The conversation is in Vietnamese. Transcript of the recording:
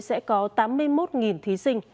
sẽ có tám mươi một thí sinh